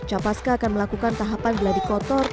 capaska akan melakukan tahapan geladi kotor